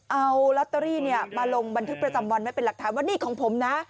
เอาลอตเตอรี่มาลงบันทึกประจำวันไว้เป็นหลักฐานว่านี่ของผมนะ